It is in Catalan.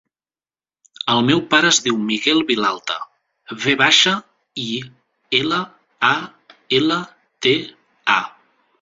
El meu pare es diu Miguel Vilalta: ve baixa, i, ela, a, ela, te, a.